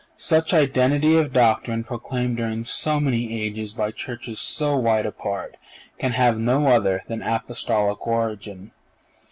Such identity of doctrine proclaimed during so many ages by churches so wide apart can have no other than an Apostolic origin.